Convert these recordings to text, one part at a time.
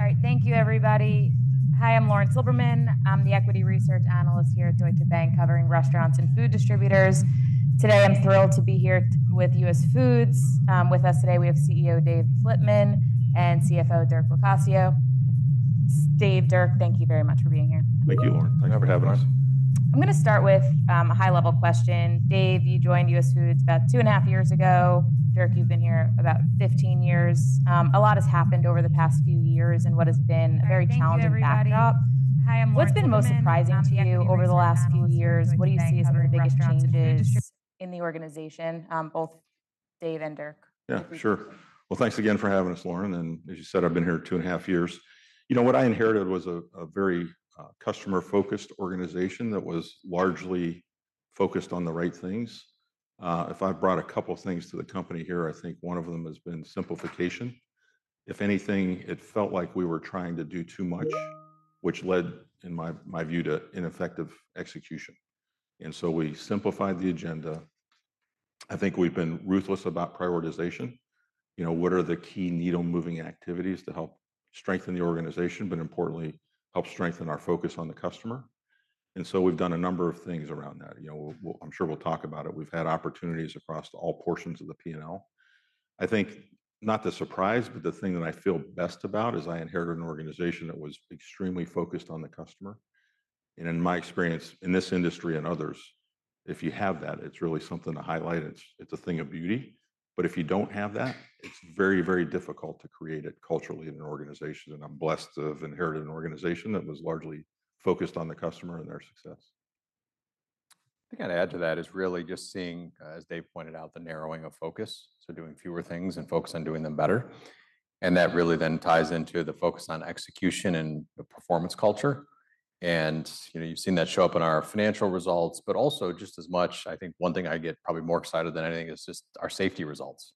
All right, thank you, everybody. Hi, I'm Lauren Silberman. I'm the equity research analyst here at Deutsche Bank, covering restaurants and food distributors. Today, I'm thrilled to be here with US Foods. With us today, we have CEO Dave Flitman and CFO Dirk Locascio. Dave, Dirk, thank you very much for being here. Thank you, Lauren. Thanks for having us. I'm going to start with a high-level question. Dave, you joined US Foods about two and a half years ago. Dirk, you've been here about 15 years. A lot has happened over the past few years in what has been a very challenging backdrop. What's been most surprising to you over the last few years? What do you see as some of the biggest changes in the organization, both Dave and Dirk? Yeah, sure. Thanks again for having us, Lauren. As you said, I've been here two and a half years. You know, what I inherited was a very customer-focused organization that was largely focused on the right things. If I brought a couple of things to the company here, I think one of them has been simplification. If anything, it felt like we were trying to do too much, which led, in my view, to ineffective execution. We simplified the agenda. I think we've been ruthless about prioritization. You know, what are the key needle-moving activities to help strengthen the organization, but importantly, help strengthen our focus on the customer? We've done a number of things around that. You know, I'm sure we'll talk about it. We've had opportunities across all portions of the P&L. I think, not the surprise, but the thing that I feel best about is I inherited an organization that was extremely focused on the customer. In my experience, in this industry and others, if you have that, it's really something to highlight. It's a thing of beauty. If you don't have that, it's very, very difficult to create it culturally in an organization. I'm blessed to have inherited an organization that was largely focused on the customer and their success. I think I'd add to that is really just seeing, as Dave pointed out, the narrowing of focus. Doing fewer things and focus on doing them better. That really then ties into the focus on execution and performance culture. You've seen that show up in our financial results, but also just as much, I think one thing I get probably more excited than anything is just our safety results.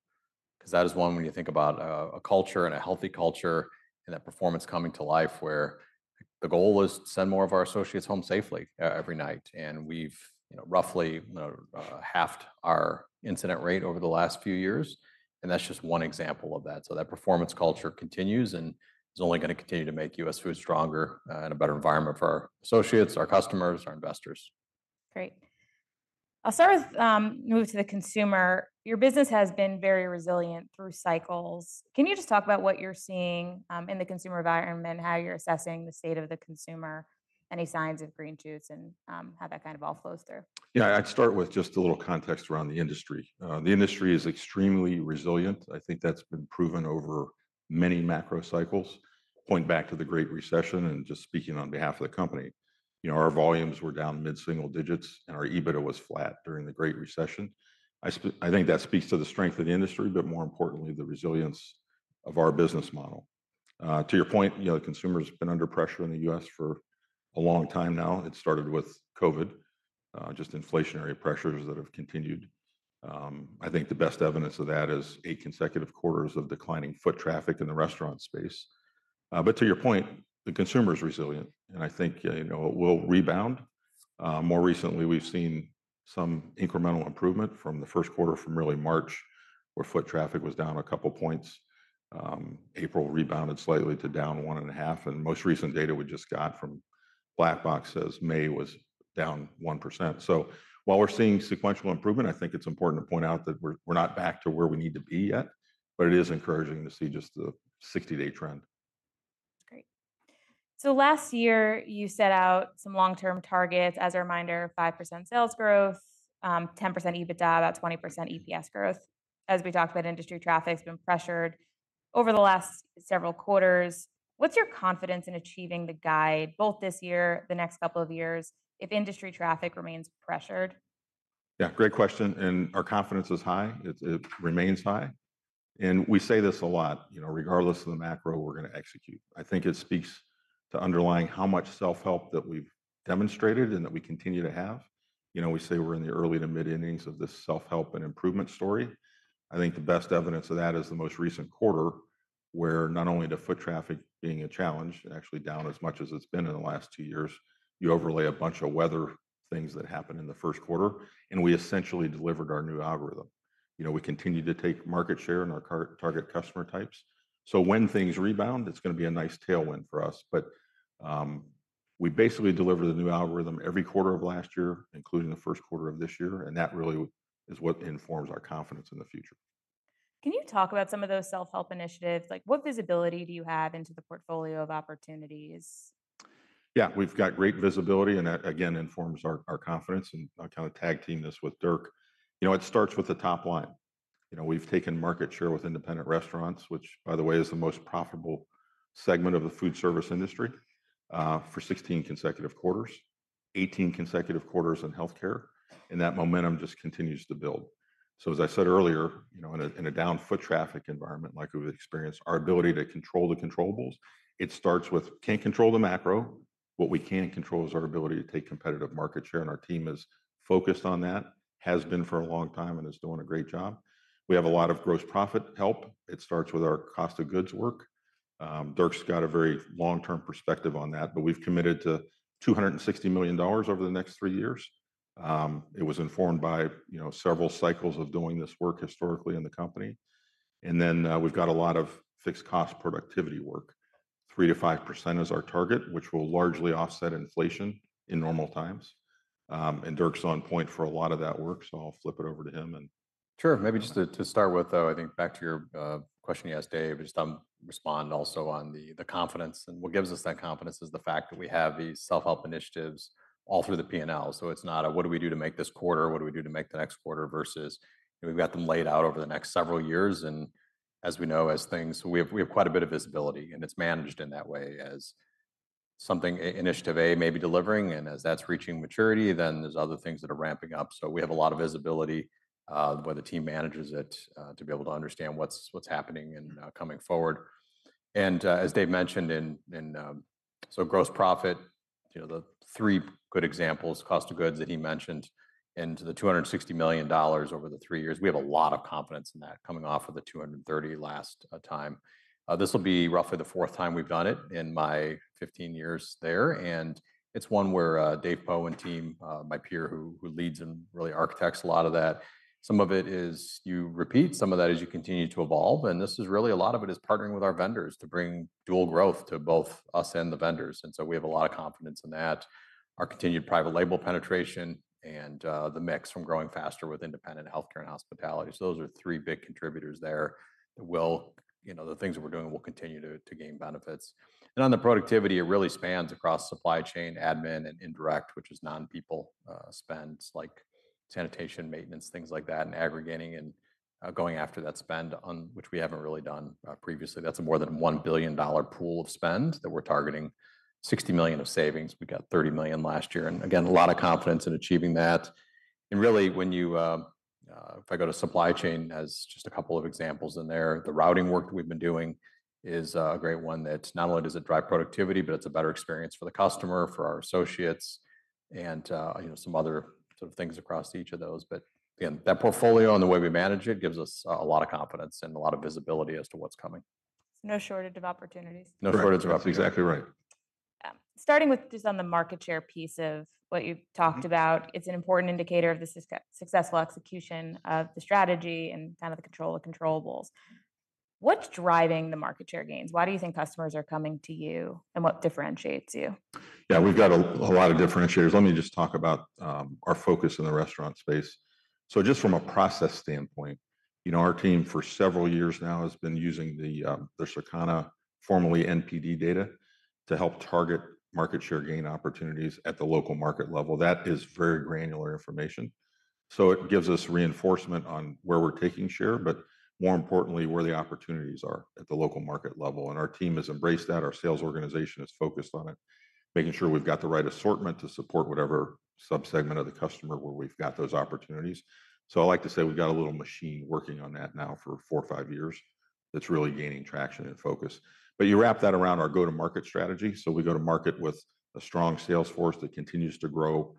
That is one when you think about a culture and a healthy culture and that performance coming to life where the goal is to send more of our associates home safely every night. We've roughly halved our incident rate over the last few years. That's just one example of that. That performance culture continues and is only going to continue to make US Foods stronger and a better environment for our associates, our customers, our investors. Great. I'll start with moving to the consumer. Your business has been very resilient through cycles. Can you just talk about what you're seeing in the consumer environment, how you're assessing the state of the consumer, any signs of green shoots, and how that kind of all flows through? Yeah, I'd start with just a little context around the industry. The industry is extremely resilient. I think that's been proven over many macro cycles. Point back to the Great Recession and just speaking on behalf of the company. You know, our volumes were down mid-single digits and our EBITDA was flat during the Great Recession. I think that speaks to the strength of the industry, but more importantly, the resilience of our business model. To your point, you know, the consumer has been under pressure in the U.S. for a long time now. It started with COVID, just inflationary pressures that have continued. I think the best evidence of that is eight consecutive quarters of declining foot traffic in the restaurant space. To your point, the consumer is resilient. I think, you know, it will rebound. More recently, we've seen some incremental improvement from the first quarter from really March, where foot traffic was down a couple of points. April rebounded slightly to down 1.5%. And most recent data we just got from Black Box says May was down 1%. So while we're seeing sequential improvement, I think it's important to point out that we're not back to where we need to be yet, but it is encouraging to see just the 60-day trend. Great. Last year, you set out some long-term targets. As a reminder, 5% sales growth, 10% EBITDA, about 20% EPS growth. As we talked about, industry traffic has been pressured over the last several quarters. What's your confidence in achieving the guide, both this year, the next couple of years, if industry traffic remains pressured? Yeah, great question. Our confidence is high. It remains high. We say this a lot, you know, regardless of the macro we're going to execute. I think it speaks to underlying how much self-help that we've demonstrated and that we continue to have. You know, we say we're in the early to mid-index of this self-help and improvement story. I think the best evidence of that is the most recent quarter, where not only the foot traffic being a challenge, actually down as much as it's been in the last two years, you overlay a bunch of weather things that happened in the first quarter, and we essentially delivered our new algorithm. You know, we continue to take market share in our target customer types. When things rebound, it's going to be a nice tailwind for us. We basically delivered a new algorithm every quarter of last year, including the first quarter of this year. That really is what informs our confidence in the future. Can you talk about some of those self-help initiatives? Like, what visibility do you have into the portfolio of opportunities? Yeah, we've got great visibility. That, again, informs our confidence. I'll kind of tag team this with Dirk. You know, it starts with the top line. We've taken market share with independent restaurants, which, by the way, is the most profitable segment of the food service industry for 16 consecutive quarters, 18 consecutive quarters in healthcare. That momentum just continues to build. As I said earlier, you know, in a down foot traffic environment like we've experienced, our ability to control the controllables. It starts with can't control the macro. What we can control is our ability to take competitive market share. Our team is focused on that, has been for a long time, and is doing a great job. We have a lot of gross profit help. It starts with our cost of goods work. Dirk's got a very long-term perspective on that, but we've committed to $260 million over the next three years. It was informed by, you know, several cycles of doing this work historically in the company. Then we've got a lot of fixed cost productivity work. 3%-5% is our target, which will largely offset inflation in normal times. Dirk's on point for a lot of that work. I will flip it over to him. Sure. Maybe just to start with, though, I think back to your question you asked, Dave, just I'll respond also on the confidence. What gives us that confidence is the fact that we have these self-help initiatives all through the P&L. It is not a, what do we do to make this quarter? What do we do to make the next quarter? Versus we've got them laid out over the next several years. As we know, as things, we have quite a bit of visibility. It is managed in that way as something initiative A may be delivering. As that is reaching maturity, then there are other things that are ramping up. We have a lot of visibility where the team manages it to be able to understand what's happening and coming forward. As Dave mentioned, gross profit, you know, the three good examples, cost of goods that he mentioned, into the $260 million over the three years. We have a lot of confidence in that coming off of the $230 million last time. This will be roughly the fourth time we have done it in my 15 years there. It is one where Dave Poe and team, my peer who leads and really architects a lot of that, some of it is you repeat, some of that is you continue to evolve. This is really a lot of it is partnering with our vendors to bring dual growth to both us and the vendors. We have a lot of confidence in that, our continued private label penetration, and the mix from growing faster with independent healthcare and hospitality. Those are three big contributors there that will, you know, the things that we're doing will continue to gain benefits. On the productivity, it really spans across supply chain, admin, and indirect, which is non-people spend, like sanitation, maintenance, things like that, and aggregating and going after that spend, which we haven't really done previously. That is a more than $1 billion pool of spend that we're targeting, $60 million of savings. We got $30 million last year. Again, a lot of confidence in achieving that. Really, if I go to supply chain as just a couple of examples in there, the routing work that we've been doing is a great one that not only does it drive productivity, but it's a better experience for the customer, for our associates, and, you know, some other sort of things across each of those. That portfolio and the way we manage it gives us a lot of confidence and a lot of visibility as to what's coming. No shortage of opportunities. No shortage of opportunities. Exactly right. Starting with just on the market share piece of what you've talked about, it's an important indicator of the successful execution of the strategy and kind of the control of controllables. What's driving the market share gains? Why do you think customers are coming to you and what differentiates you? Yeah, we've got a lot of differentiators. Let me just talk about our focus in the restaurant space. Just from a process standpoint, you know, our team for several years now has been using the Circana, formerly NPD, data to help target market share gain opportunities at the local market level. That is very granular information. It gives us reinforcement on where we're taking share, but more importantly, where the opportunities are at the local market level. Our team has embraced that. Our sales organization is focused on it, making sure we've got the right assortment to support whatever subsegment of the customer where we've got those opportunities. I like to say we've got a little machine working on that now for four or five years that's really gaining traction and focus. You wrap that around our go-to-market strategy. We go to market with a strong sales force that continues to grow.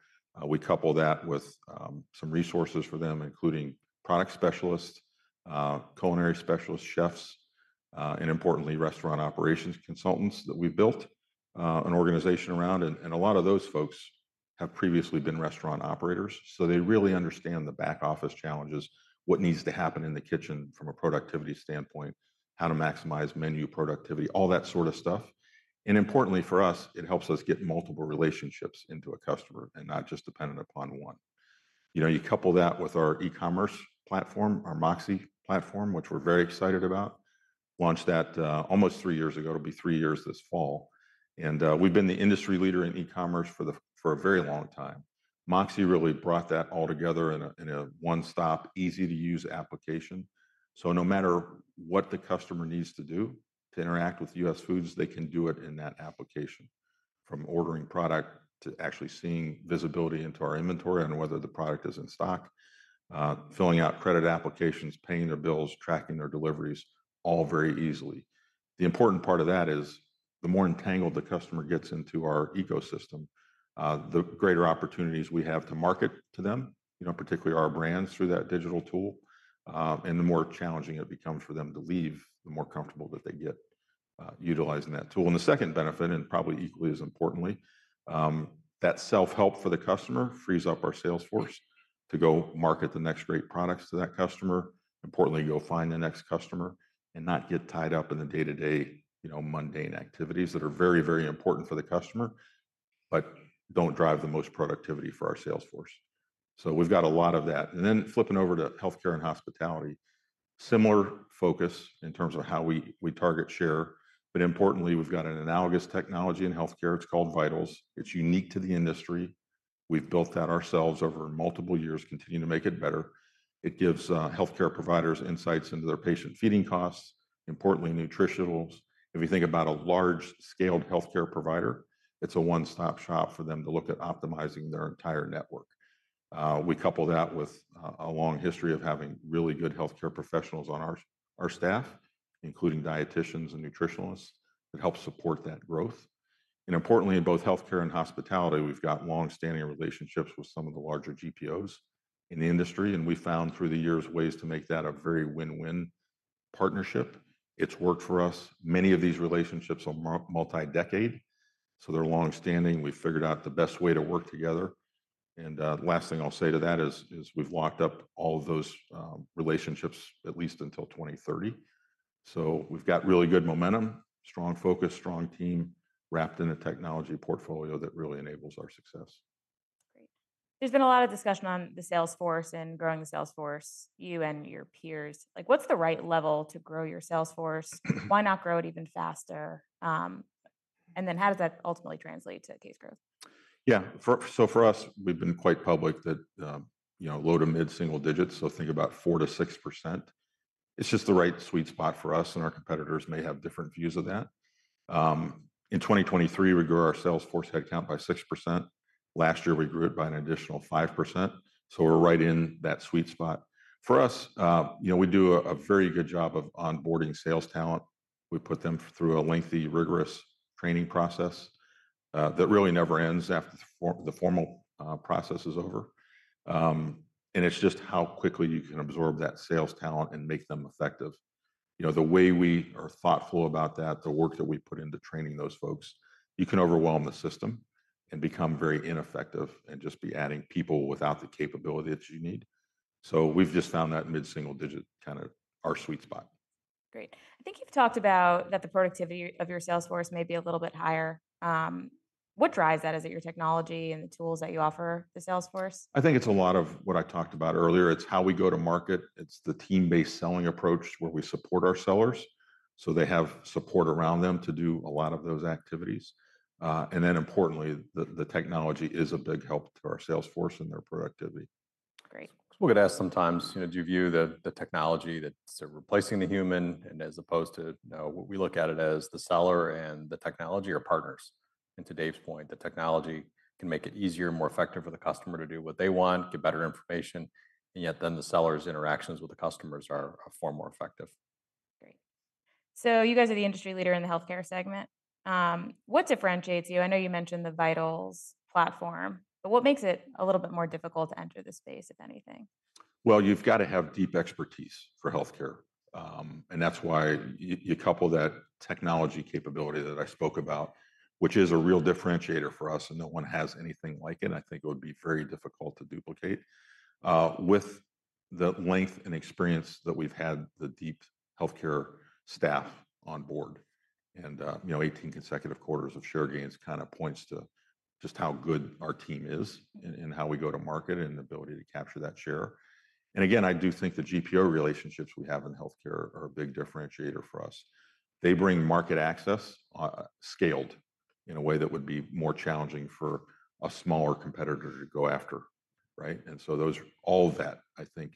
We couple that with some resources for them, including product specialists, culinary specialists, chefs, and importantly, restaurant operations consultants that we've built an organization around. A lot of those folks have previously been restaurant operators. They really understand the back office challenges, what needs to happen in the kitchen from a productivity standpoint, how to maximize menu productivity, all that sort of stuff. Importantly for us, it helps us get multiple relationships into a customer and not just dependent upon one. You know, you couple that with our e-commerce platform, our Moxie platform, which we're very excited about. Launched that almost three years ago. It'll be three years this fall. We've been the industry leader in e-commerce for a very long time. Moxie really brought that all together in a one-stop, easy-to-use application. No matter what the customer needs to do to interact with US Foods, they can do it in that application, from ordering product to actually seeing visibility into our inventory and whether the product is in stock, filling out credit applications, paying their bills, tracking their deliveries, all very easily. The important part of that is the more entangled the customer gets into our ecosystem, the greater opportunities we have to market to them, you know, particularly our brands through that digital tool. The more challenging it becomes for them to leave, the more comfortable that they get utilizing that tool. The second benefit, and probably equally as importantly, that self-help for the customer frees up our sales force to go market the next great products to that customer, importantly go find the next customer and not get tied up in the day-to-day, you know, mundane activities that are very, very important for the customer, but do not drive the most productivity for our sales force. We have got a lot of that. Flipping over to healthcare and hospitality, similar focus in terms of how we target share. Importantly, we have got an analogous technology in healthcare. It is called Vitals. It is unique to the industry. We have built that ourselves over multiple years, continuing to make it better. It gives healthcare providers insights into their patient feeding costs, importantly nutritionals. If you think about a large-scaled healthcare provider, it's a one-stop shop for them to look at optimizing their entire network. We couple that with a long history of having really good healthcare professionals on our staff, including dietitians and nutritionists that help support that growth. Importantly, in both healthcare and hospitality, we've got long-standing relationships with some of the larger GPOs in the industry. We found through the years ways to make that a very win-win partnership. It's worked for us. Many of these relationships are multi-decade. They're long-standing. We've figured out the best way to work together. Last thing I'll say to that is we've locked up all of those relationships at least until 2030. We've got really good momentum, strong focus, strong team wrapped in a technology portfolio that really enables our success. Great. There's been a lot of discussion on the sales force and growing the sales force, you and your peers. Like, what's the right level to grow your sales force? Why not grow it even faster? How does that ultimately translate to case growth? Yeah. For us, we've been quite public that, you know, low to mid-single digits. Think about 4%-6%. It's just the right sweet spot for us. Our competitors may have different views of that. In 2023, we grew our sales force headcount by 6%. Last year, we grew it by an additional 5%. We're right in that sweet spot. For us, you know, we do a very good job of onboarding sales talent. We put them through a lengthy, rigorous training process that really never ends after the formal process is over. It's just how quickly you can absorb that sales talent and make them effective. You know, the way we are thoughtful about that, the work that we put into training those folks, you can overwhelm the system and become very ineffective and just be adding people without the capability that you need. We've just found that mid-single digit kind of our sweet spot. Great. I think you've talked about that the productivity of your sales force may be a little bit higher. What drives that? Is it your technology and the tools that you offer the sales force? I think it's a lot of what I talked about earlier. It's how we go to market. It's the team-based selling approach where we support our sellers. They have support around them to do a lot of those activities. Importantly, the technology is a big help to our sales force and their productivity. Great. We get asked sometimes, you know, do you view the technology that's replacing the human? As opposed to, you know, we look at it as the seller and the technology are partners. To Dave's point, the technology can make it easier and more effective for the customer to do what they want, get better information. Yet then the seller's interactions with the customers are far more effective. Great. You guys are the industry leader in the healthcare segment. What differentiates you? I know you mentioned the Vitals platform, but what makes it a little bit more difficult to enter the space, if anything? You have to have deep expertise for healthcare. That is why you couple that technology capability that I spoke about, which is a real differentiator for us. No one has anything like it. I think it would be very difficult to duplicate with the length and experience that we have, the deep healthcare staff on board. You know, 18 consecutive quarters of share gains kind of points to just how good our team is and how we go to market and the ability to capture that share. I do think the GPO relationships we have in healthcare are a big differentiator for us. They bring market access scaled in a way that would be more challenging for a smaller competitor to go after, right? Those all, I think,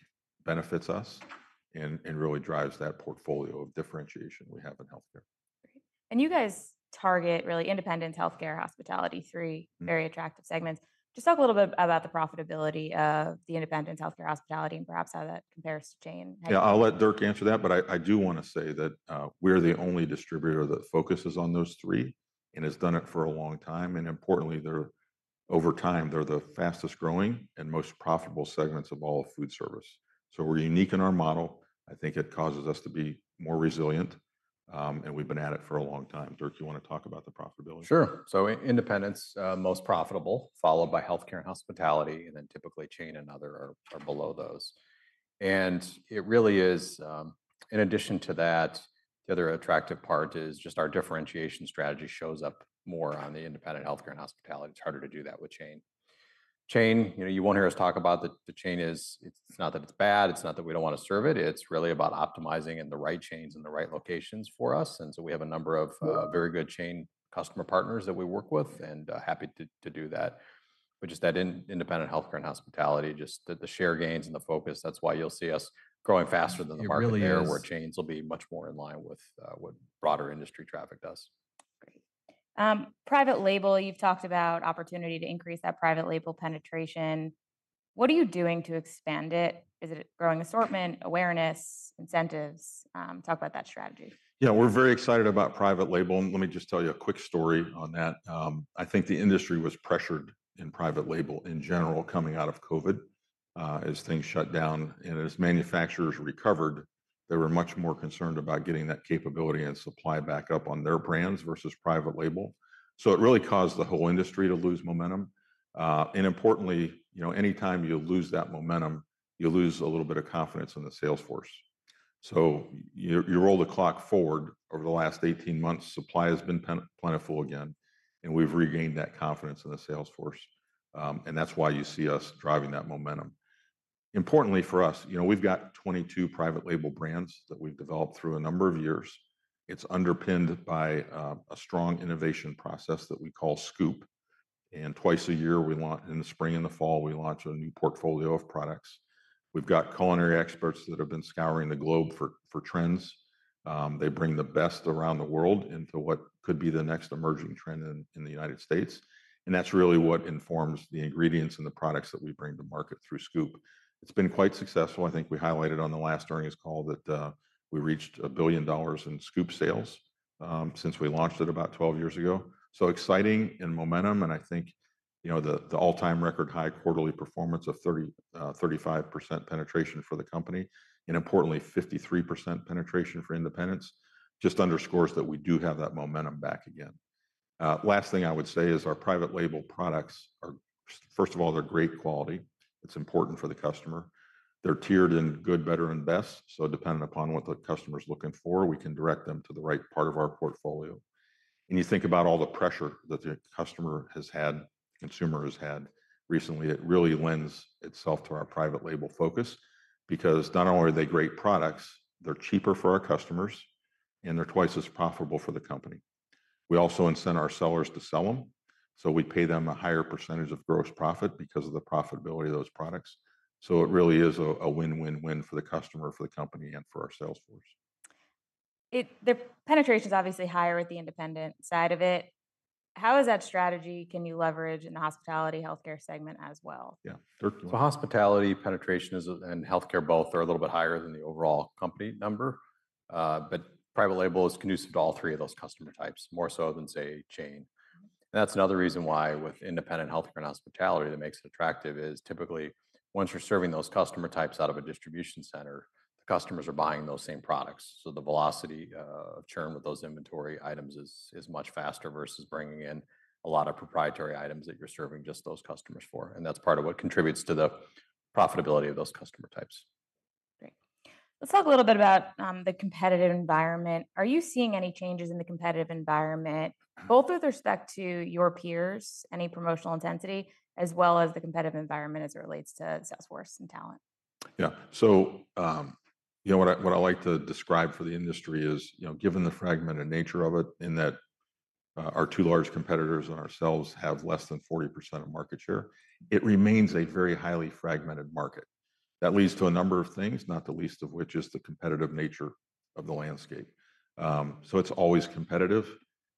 benefit us and really drive that portfolio of differentiation we have in healthcare. Great. You guys target really independent healthcare, hospitality, three very attractive segments. Just talk a little bit about the profitability of the independent healthcare, hospitality, and perhaps how that compares to [chain]. Yeah, I'll let Dirk answer that. I do want to say that we're the only distributor that focuses on those three and has done it for a long time. Importantly, over time, they're the fastest growing and most profitable segments of all food service. We're unique in our model. I think it causes us to be more resilient. We've been at it for a long time. Dirk, you want to talk about the profitability? Sure. Independence, most profitable, followed by healthcare and hospitality, and then typically chain and other are below those. It really is, in addition to that, the other attractive part is just our differentiation strategy shows up more on the independent, healthcare, and hospitality. It's harder to do that with chain. Chain, you know, you won't hear us talk about the chain is, it's not that it's bad. It's not that we don't want to serve it. It's really about optimizing in the right chains and the right locations for us. We have a number of very good chain customer partners that we work with and happy to do that. Just that independent healthcare and hospitality, just the share gains and the focus, that's why you'll see us growing faster than the market share where chains will be much more in line with what broader industry traffic does. Great. Private label, you've talked about opportunity to increase that private label penetration. What are you doing to expand it? Is it growing assortment, awareness, incentives? Talk about that strategy. Yeah, we're very excited about private label. And let me just tell you a quick story on that. I think the industry was pressured in private label in general coming out of COVID as things shut down. And as manufacturers recovered, they were much more concerned about getting that capability and supply back up on their brands versus private label. It really caused the whole industry to lose momentum. Importantly, you know, anytime you lose that momentum, you lose a little bit of confidence in the sales force. You roll the clock forward over the last 18 months, supply has been plentiful again. We've regained that confidence in the sales force. That's why you see us driving that momentum. Importantly for us, you know, we've got 22 private label brands that we've developed through a number of years. It's underpinned by a strong innovation process that we call Scoop. Twice a year, we launch in the spring and the fall, we launch a new portfolio of products. We've got culinary experts that have been scouring the globe for trends. They bring the best around the world into what could be the next emerging trend in the United States. That is really what informs the ingredients and the products that we bring to market through Scoop. It's been quite successful. I think we highlighted on the last earnings call that we reached $1 billion in Scoop sales since we launched it about 12 years ago. So exciting and momentum. I think, you know, the all-time record high quarterly performance of 35% penetration for the company and importantly, 53% penetration for independents just underscores that we do have that momentum back again. Last thing I would say is our private label products are, first of all, they're great quality. It's important for the customer. They're tiered in good, better, and best. Depending upon what the customer's looking for, we can direct them to the right part of our portfolio. You think about all the pressure that the customer has had, consumer has had recently, it really lends itself to our private label focus because not only are they great products, they're cheaper for our customers and they're twice as profitable for the company. We also incent our sellers to sell them. We pay them a higher percentage of gross profit because of the profitability of those products. It really is a win-win-win for the customer, for the company, and for our sales force. The penetration's obviously higher at the independent side of it. How is that strategy? Can you leverage in the hospitality, healthcare segment as well? Yeah. Hospitality penetration and healthcare both are a little bit higher than the overall company number. Private label is conducive to all three of those customer types, more so than, say, chain. Another reason why with independent healthcare and hospitality that makes it attractive is typically once you're serving those customer types out of a distribution center, the customers are buying those same products. The velocity of churn with those inventory items is much faster versus bringing in a lot of proprietary items that you're serving just those customers for. That is part of what contributes to the profitability of those customer types. Great. Let's talk a little bit about the competitive environment. Are you seeing any changes in the competitive environment, both with respect to your peers, any promotional intensity, as well as the competitive environment as it relates to sales force and talent? Yeah. So you know what I like to describe for the industry is, you know, given the fragmented nature of it in that our two large competitors and ourselves have less than 40% of market share, it remains a very highly fragmented market. That leads to a number of things, not the least of which is the competitive nature of the landscape. It's always competitive.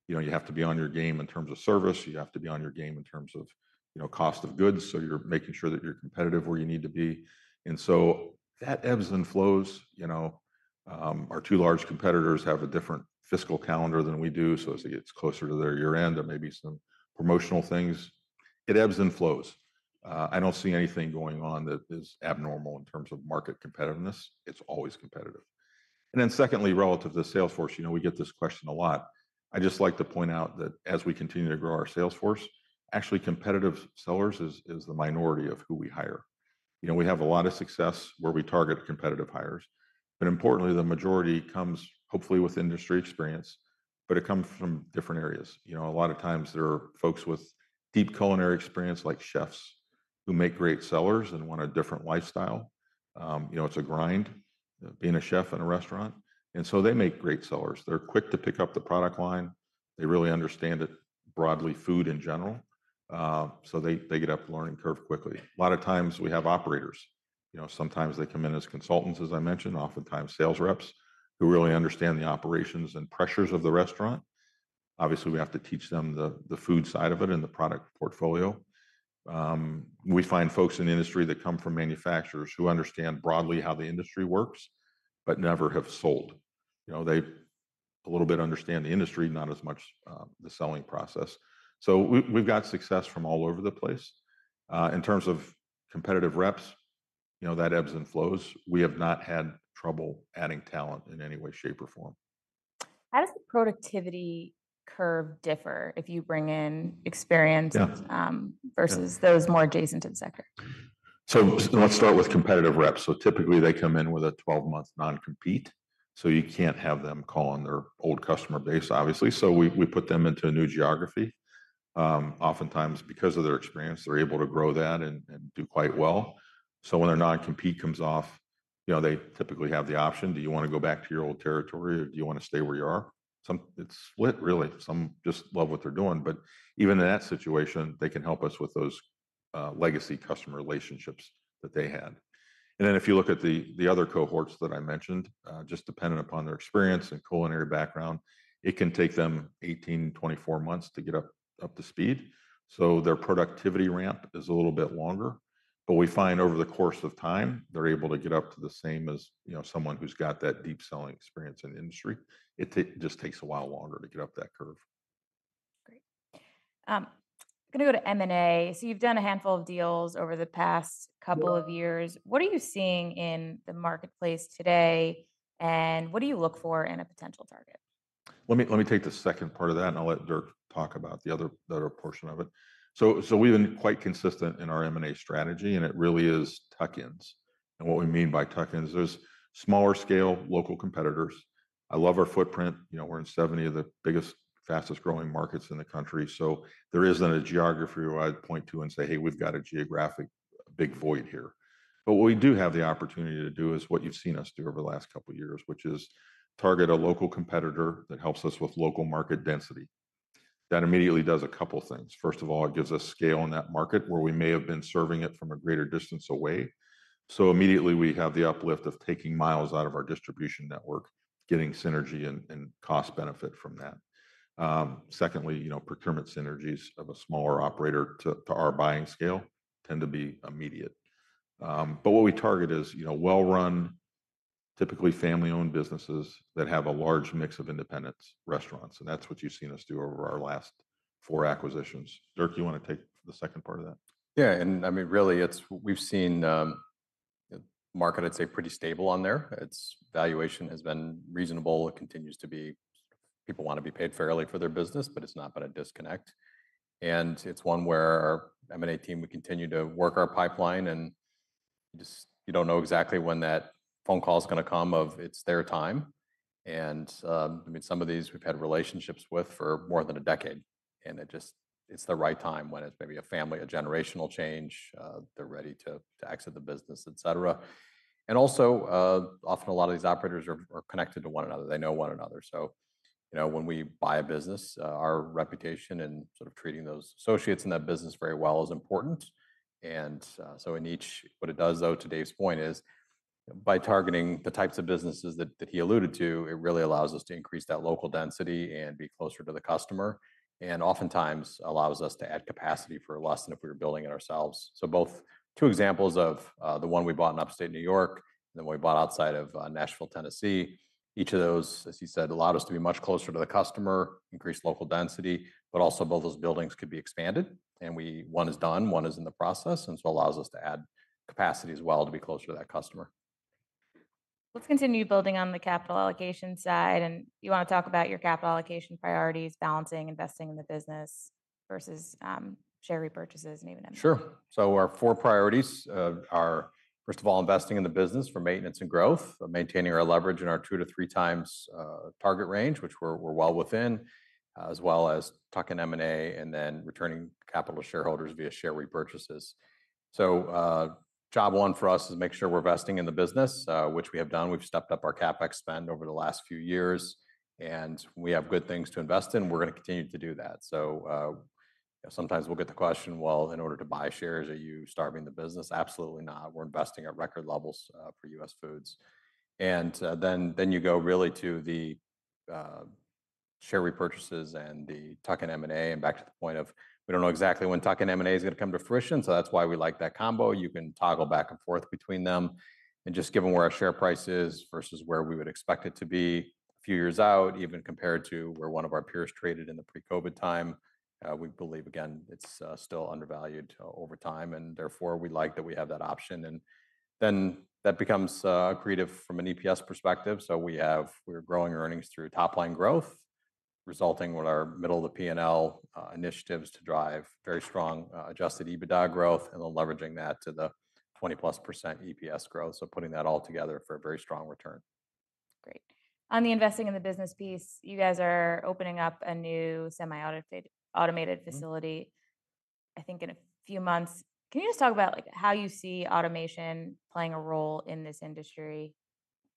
You know, you have to be on your game in terms of service. You have to be on your game in terms of, you know, cost of goods. You're making sure that you're competitive where you need to be. That ebbs and flows, you know. Our two large competitors have a different fiscal calendar than we do. As it gets closer to their year-end, there may be some promotional things. It ebbs and flows. I do not see anything going on that is abnormal in terms of market competitiveness. It is always competitive. Secondly, relative to sales force, you know, we get this question a lot. I just like to point out that as we continue to grow our sales force, actually competitive sellers is the minority of who we hire. You know, we have a lot of success where we target competitive hires. Importantly, the majority comes hopefully with industry experience, but it comes from different areas. You know, a lot of times there are folks with deep culinary experience like chefs who make great sellers and want a different lifestyle. You know, it is a grind being a chef in a restaurant. They make great sellers. They are quick to pick up the product line. They really understand it broadly, food in general. They get up the learning curve quickly. A lot of times we have operators. You know, sometimes they come in as consultants, as I mentioned, oftentimes sales reps who really understand the operations and pressures of the restaurant. Obviously, we have to teach them the food side of it and the product portfolio. We find folks in the industry that come from manufacturers who understand broadly how the industry works, but never have sold. You know, they a little bit understand the industry, not as much the selling process. So we've got success from all over the place. In terms of competitive reps, you know, that ebbs and flows. We have not had trouble adding talent in any way, shape, or form. How does the productivity curve differ if you bring in experience versus those more adjacent in sector? Let's start with competitive reps. Typically they come in with a 12-month non-compete. You can't have them call on their old customer base, obviously. We put them into a new geography. Oftentimes because of their experience, they're able to grow that and do quite well. When their non-compete comes off, you know, they typically have the option, do you want to go back to your old territory or do you want to stay where you are? It's split really. Some just love what they're doing. Even in that situation, they can help us with those legacy customer relationships that they had. If you look at the other cohorts that I mentioned, just dependent upon their experience and culinary background, it can take them 18-24 months to get up to speed. Their productivity ramp is a little bit longer. We find over the course of time, they're able to get up to the same as, you know, someone who's got that deep selling experience in the industry. It just takes a while longer to get up that curve. Great. I'm going to go to M&A. You've done a handful of deals over the past couple of years. What are you seeing in the marketplace today and what do you look for in a potential target? Let me take the second part of that and I'll let Dirk talk about the other portion of it. We've been quite consistent in our M&A strategy and it really is tuck-ins. What we mean by tuck-ins, they're smaller scale local competitors. I love our footprint. You know, we're in 70 of the biggest, fastest growing markets in the country. There isn't a geography where I'd point to and say, hey, we've got a geographic big void here. What we do have the opportunity to do is what you've seen us do over the last couple of years, which is target a local competitor that helps us with local market density. That immediately does a couple of things. First of all, it gives us scale in that market where we may have been serving it from a greater distance away. Immediately we have the uplift of taking miles out of our distribution network, getting synergy and cost benefit from that. Secondly, you know, procurement synergies of a smaller operator to our buying scale tend to be immediate. What we target is, you know, well-run, typically family-owned businesses that have a large mix of independent restaurants. That is what you have seen us do over our last four acquisitions. Dirk, you want to take the second part of that? Yeah. I mean, really it's, we've seen market, I'd say pretty stable on there. Its valuation has been reasonable. It continues to be, people want to be paid fairly for their business, but it's not been a disconnect. It's one where our M&A team, we continue to work our pipeline and you just, you don't know exactly when that phone call is going to come of it's their time. I mean, some of these we've had relationships with for more than a decade. It just, it's the right time when it's maybe a family, a generational change, they're ready to exit the business, et cetera. Also, often a lot of these operators are connected to one another. They know one another. You know, when we buy a business, our reputation and sort of treating those associates in that business very well is important. In each, what it does though, to Dave's point is by targeting the types of businesses that he alluded to, it really allows us to increase that local density and be closer to the customer. Oftentimes it allows us to add capacity for less than if we were building it ourselves. Both examples of the one we bought in Upstate New York and then what we bought outside of Nashville, Tennessee, each of those, as you said, allowed us to be much closer to the customer, increased local density, but also both those buildings could be expanded. One is done, one is in the process. It allows us to add capacity as well to be closer to that customer. Let's continue building on the capital allocation side. You want to talk about your capital allocation priorities, balancing investing in the business versus share repurchases and even M&A. Sure. Our four priorities are, first of all, investing in the business for maintenance and growth, maintaining our leverage in our two to three times target range, which we're well within, as well as tuck-in M&A and then returning capital to shareholders via share repurchases. Job one for us is make sure we're investing in the business, which we have done. We've stepped up our CapEx spend over the last few years. We have good things to invest in. We're going to continue to do that. Sometimes we'll get the question, in order to buy shares, are you starving the business? Absolutely not. We're investing at record levels for US Foods. You go really to the share repurchases and the tuck-in M&A and back to the point of we don't know exactly when tuck-in M&A is going to come to fruition. That is why we like that combo. You can toggle back and forth between them. Just given where our share price is versus where we would expect it to be a few years out, even compared to where one of our peers traded in the pre-COVID time, we believe again, it is still undervalued over time. Therefore we like that we have that option. That becomes accretive from an EPS perspective. We are growing our earnings through top-line growth, resulting in what our middle of the P&L initiatives to drive very strong adjusted EBITDA growth and then leveraging that to the 20%+ EPS growth. Putting that all together for a very strong return. Great. On the investing in the business piece, you guys are opening up a new semi-automated facility, I think in a few months. Can you just talk about how you see automation playing a role in this industry?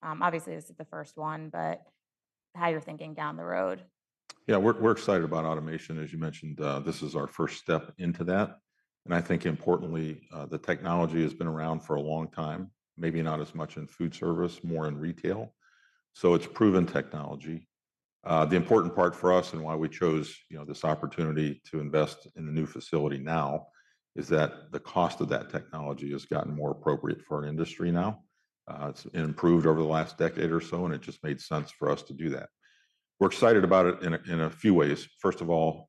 Obviously, this is the first one, but how you're thinking down the road? Yeah, we're excited about automation, as you mentioned. This is our first step into that. I think importantly, the technology has been around for a long time, maybe not as much in food service, more in retail. It is proven technology. The important part for us and why we chose, you know, this opportunity to invest in the new facility now is that the cost of that technology has gotten more appropriate for our industry now. It has improved over the last decade or so, and it just made sense for us to do that. We're excited about it in a few ways. First of all,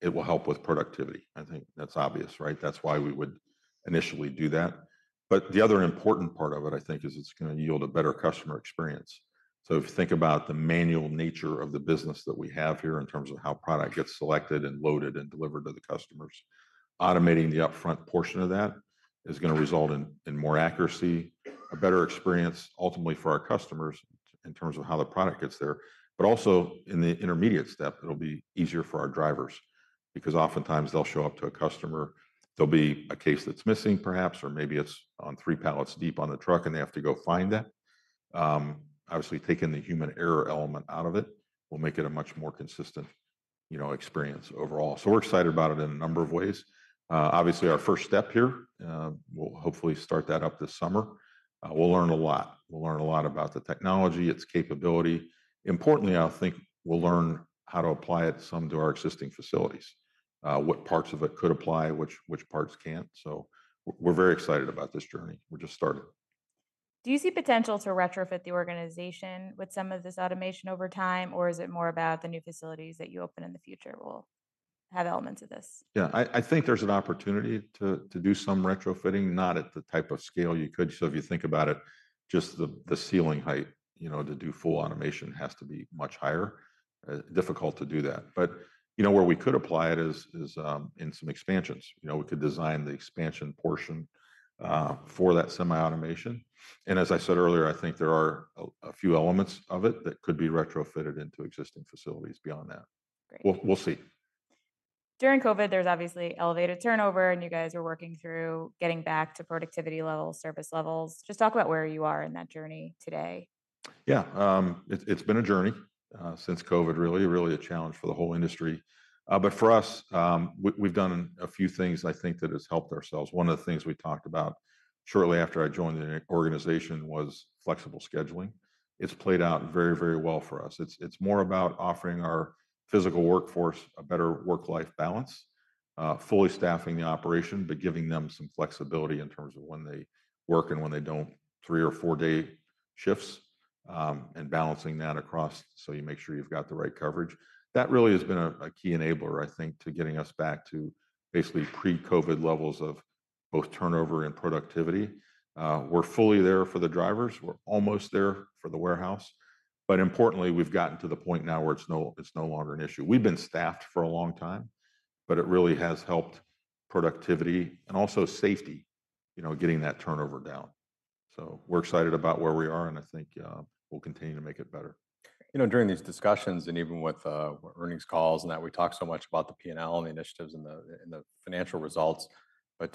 it will help with productivity. I think that's obvious, right? That's why we would initially do that. The other important part of it, I think, is it's going to yield a better customer experience. If you think about the manual nature of the business that we have here in terms of how product gets selected and loaded and delivered to the customers, automating the upfront portion of that is going to result in more accuracy, a better experience ultimately for our customers in terms of how the product gets there. Also, in the intermediate step, it'll be easier for our drivers because oftentimes they'll show up to a customer, there'll be a case that's missing perhaps, or maybe it's on three pallets deep on the truck and they have to go find that. Obviously, taking the human error element out of it will make it a much more consistent, you know, experience overall. We're excited about it in a number of ways. Obviously, our first step here will hopefully start that up this summer. We'll learn a lot. We'll learn a lot about the technology, its capability. Importantly, I think we'll learn how to apply it some to our existing facilities, what parts of it could apply, which parts can't. We are very excited about this journey. We're just starting. Do you see potential to retrofit the organization with some of this automation over time, or is it more about the new facilities that you open in the future will have elements of this? Yeah, I think there's an opportunity to do some retrofitting, not at the type of scale you could. If you think about it, just the ceiling height, you know, to do full automation has to be much higher. Difficult to do that. You know, where we could apply it is in some expansions. You know, we could design the expansion portion for that semi-automation. As I said earlier, I think there are a few elements of it that could be retrofitted into existing facilities beyond that. We'll see. During COVID, there's obviously elevated turnover and you guys are working through getting back to productivity levels, service levels. Just talk about where you are in that journey today. Yeah, it's been a journey since COVID, really, really a challenge for the whole industry. For us, we've done a few things I think that have helped ourselves. One of the things we talked about shortly after I joined the organization was flexible scheduling. It's played out very, very well for us. It's more about offering our physical workforce a better work-life balance, fully staffing the operation, but giving them some flexibility in terms of when they work and when they don't, three or four-day shifts and balancing that across so you make sure you've got the right coverage. That really has been a key enabler, I think, to getting us back to basically pre-COVID levels of both turnover and productivity. We're fully there for the drivers. We're almost there for the warehouse. Importantly, we've gotten to the point now where it's no longer an issue. We've been staffed for a long time, but it really has helped productivity and also safety, you know, getting that turnover down. We are excited about where we are and I think we'll continue to make it better. You know, during these discussions and even with earnings calls and that, we talked so much about the P&L and the initiatives and the financial results.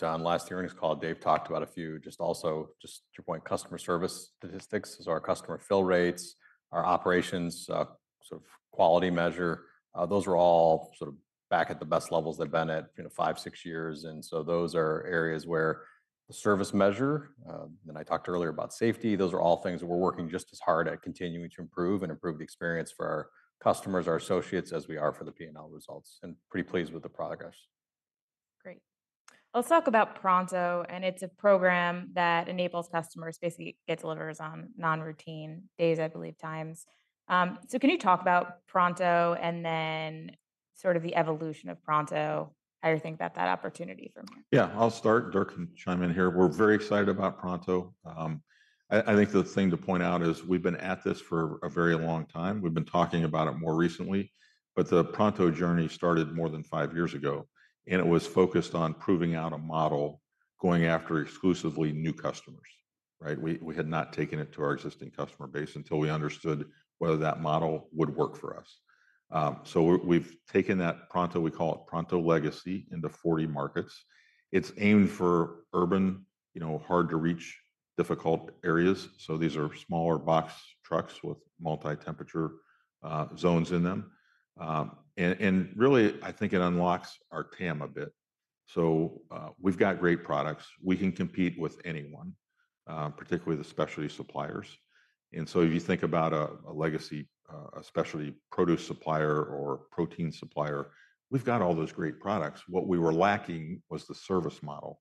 On last year's call, Dave talked about a few, just also just to your point, customer service statistics, as our customer fill rates, our operations sort of quality measure, those were all sort of back at the best levels they've been at, you know, five, six years. Those are areas where the service measure, then I talked earlier about safety, those are all things that we're working just as hard at continuing to improve and improve the experience for our customers, our associates, as we are for the P&L results. Pretty pleased with the progress. Great. Let's talk about Pronto. It's a program that enables customers to basically get deliveries on non-routine days, I believe, times. Can you talk about Pronto and then sort of the evolution of Pronto, how you're thinking about that opportunity from here? Yeah, I'll start. Dirk can chime in here. We're very excited about Pronto. I think the thing to point out is we've been at this for a very long time. We've been talking about it more recently, but the Pronto journey started more than five years ago. It was focused on proving out a model going after exclusively new customers, right? We had not taken it to our existing customer base until we understood whether that model would work for us. We have taken that Pronto, we call it Pronto Legacy, into 40 markets. It is aimed for urban, you know, hard-to-reach, difficult areas. These are smaller box trucks with multi-temperature zones in them. I think it unlocks our TAM a bit. We have great products. We can compete with anyone, particularly the specialty suppliers. If you think about a legacy, a specialty produce supplier or protein supplier, we've got all those great products. What we were lacking was the service model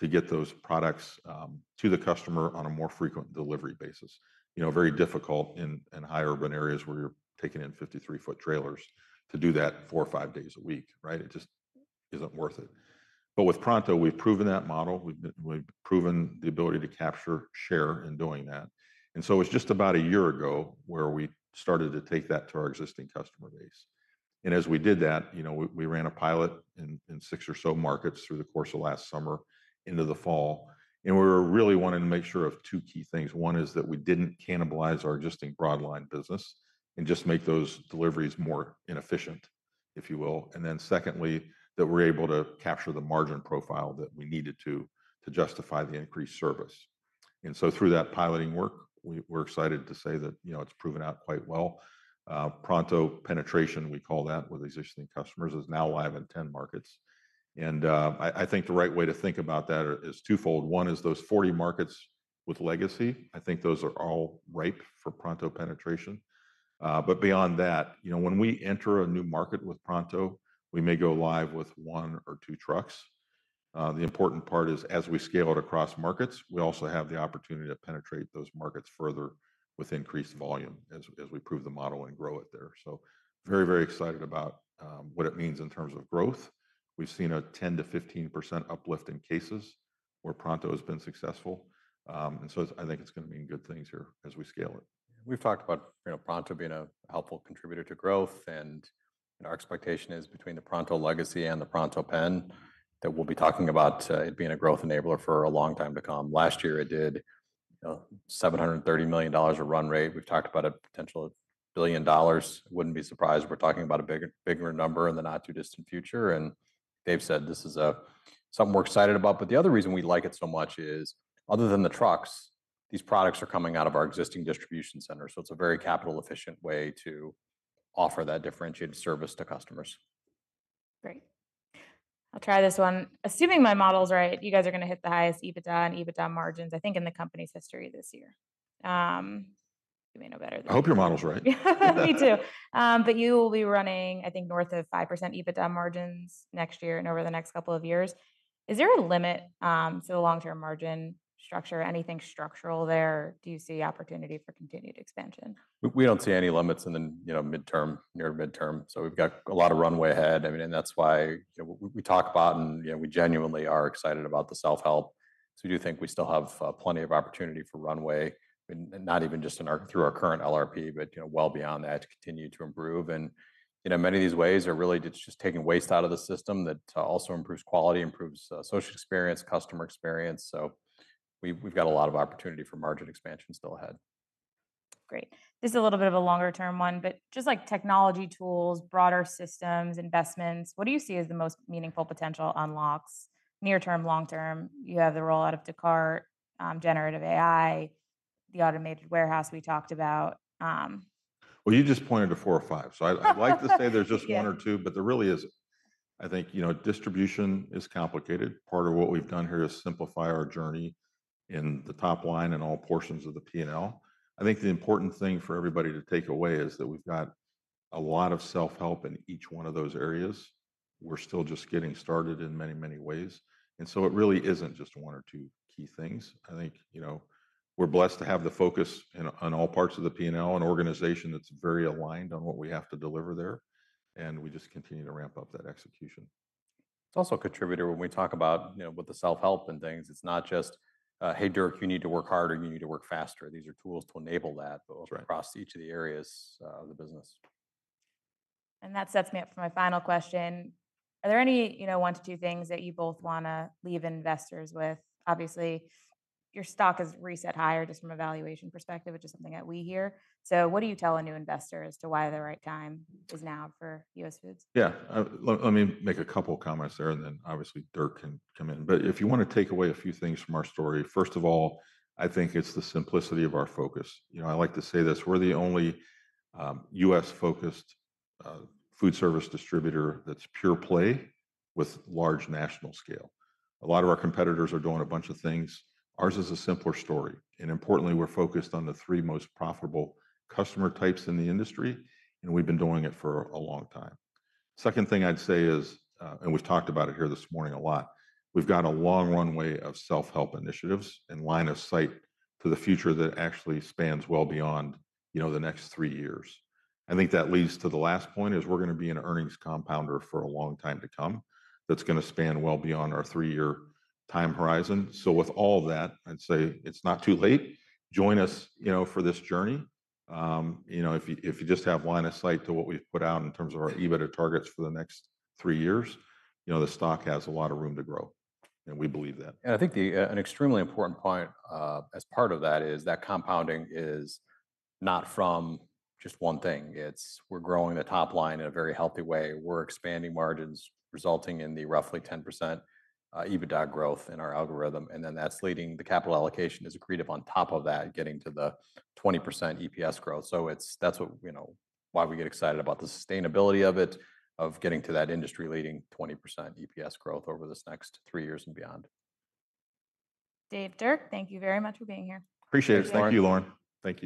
to get those products to the customer on a more frequent delivery basis. You know, very difficult in high urban areas where you're taking in 53-foot trailers to do that four or five days a week, right? It just isn't worth it. With Pronto, we've proven that model. We've proven the ability to capture, share in doing that. It was just about a year ago where we started to take that to our existing customer base. As we did that, you know, we ran a pilot in six or so markets through the course of last summer into the fall. We were really wanting to make sure of two key things. One is that we did not cannibalize our existing broadline business and just make those deliveries more inefficient, if you will. Secondly, that we are able to capture the margin profile that we needed to, to justify the increased service. Through that piloting work, we are excited to say that, you know, it has proven out quite well. Pronto penetration, we call that with existing customers, is now live in 10 markets. I think the right way to think about that is twofold. One is those 40 markets with legacy. I think those are all ripe for Pronto penetration. Beyond that, you know, when we enter a new market with Pronto, we may go live with one or two trucks. The important part is as we scale it across markets, we also have the opportunity to penetrate those markets further with increased volume as we prove the model and grow it there. Very, very excited about what it means in terms of growth. We've seen a 10%-15% uplift in cases where Pronto has been successful. I think it's going to mean good things here as we scale it. We've talked about, you know, Pronto being a helpful contributor to growth. Our expectation is between the Pronto Legacy and the Pronto Pen that we'll be talking about it being a growth enabler for a long time to come. Last year, it did $730 million of run rate. We've talked about a potential billion dollars. Wouldn't be surprised. We're talking about a bigger number in the not too distant future. Dave said this is something we're excited about. The other reason we like it so much is other than the trucks, these products are coming out of our existing distribution centers. It is a very capital-efficient way to offer that differentiated service to customers. Great. I'll try this one. Assuming my model's right, you guys are going to hit the highest EBITDA and EBITDA margins, I think in the company's history this year. You may know better than that. I hope your model's right. Me too. You will be running, I think, north of 5% EBITDA margins next year and over the next couple of years. Is there a limit to the long-term margin structure? Anything structural there? Do you see opportunity for continued expansion? We do not see any limits in the, you know, midterm, near midterm. We have got a lot of runway ahead. I mean, and that is why, you know, we talk about and, you know, we genuinely are excited about the self-help. We do think we still have plenty of opportunity for runway, not even just through our current LRP, but, you know, well beyond that to continue to improve. You know, many of these ways are really just taking waste out of the system that also improves quality, improves social experience, customer experience. We have got a lot of opportunity for margin expansion still ahead. Great. This is a little bit of a longer-term one, but just like technology tools, broader systems, investments, what do you see as the most meaningful potential unlocks near term, long term? You have the rollout of Dukart, generative AI, the automated warehouse we talked about. You just pointed to four or five. I’d like to say there’s just one or two, but there really isn’t. I think, you know, distribution is complicated. Part of what we’ve done here is simplify our journey in the top line and all portions of the P&L. I think the important thing for everybody to take away is that we’ve got a lot of self-help in each one of those areas. We’re still just getting started in many, many ways. It really isn’t just one or two key things. I think, you know, we’re blessed to have the focus on all parts of the P&L, an organization that’s very aligned on what we have to deliver there. We just continue to ramp up that execution. It's also a contributor when we talk about, you know, with the self-help and things, it's not just, "Hey, Dirk, you need to work harder and you need to work faster." These are tools to enable that across each of the areas of the business. That sets me up for my final question. Are there any, you know, one to two things that you both want to leave investors with? Obviously, your stock has reset higher just from a valuation perspective, which is something that we hear. What do you tell a new investor as to why the right time is now for US Foods? Yeah, let me make a couple of comments there and then obviously Dirk can come in. If you want to take away a few things from our story, first of all, I think it's the simplicity of our focus. You know, I like to say this, we're the only U.S.-focused food service distributor that's pure play with large national scale. A lot of our competitors are doing a bunch of things. Ours is a simpler story. Importantly, we're focused on the three most profitable customer types in the industry. We've been doing it for a long time. The second thing I'd say is, and we've talked about it here this morning a lot, we've got a long runway of self-help initiatives and line of sight to the future that actually spans well beyond, you know, the next three years. I think that leads to the last point is we're going to be an earnings compounder for a long time to come that's going to span well beyond our three-year time horizon. With all that, I'd say it's not too late. Join us, you know, for this journey. You know, if you just have line of sight to what we've put out in terms of our EBITDA targets for the next three years, you know, the stock has a lot of room to grow. We believe that. I think an extremely important point as part of that is that compounding is not from just one thing. It is we are growing the top line in a very healthy way. We are expanding margins resulting in the roughly 10% EBITDA growth in our algorithm. That is leading the capital allocation as agreed upon on top of that, getting to the 20% EPS growth. That is what, you know, why we get excited about the sustainability of it, of getting to that industry-leading 20% EPS growth over this next three years and beyond. Dave, Dirk, thank you very much for being here. Appreciate it. Thank you, Lauren. Thank you.